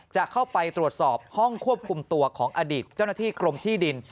จะเข้าไปตรวจสอบห้องควบคุมตัวของอดีตเจ้าหน้าที่กรมที่ดิน